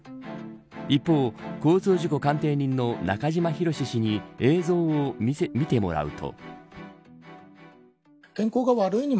一方、交通事故鑑定人の中島博史氏に映像を見てもらうと。